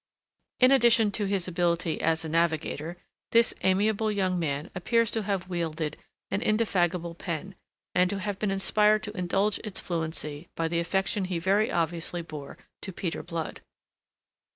In addition to his ability as a navigator, this amiable young man appears to have wielded an indefatigable pen, and to have been inspired to indulge its fluency by the affection he very obviously bore to Peter Blood.